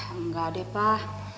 enggak deh pak